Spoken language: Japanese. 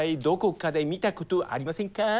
どこかで見たことありませんか？